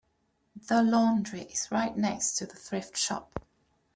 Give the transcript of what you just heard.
The laundry is right next to the thrift shop.